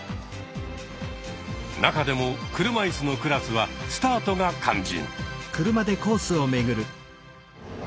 中でも車いすのクラスはスタートが肝心。